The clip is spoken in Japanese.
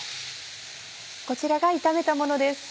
こちらが炒めたものです。